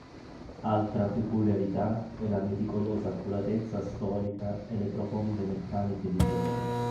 Altra peculiarità è la meticolosa accuratezza storica e le profonde meccaniche di gioco.